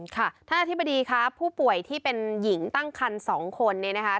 ท่านอธิบดีครับผู้ป่วยที่เป็นหญิงตั้งคัน๒คนเนี่ยนะคะ